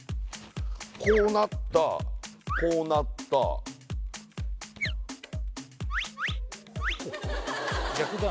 こうなったこうなったこうか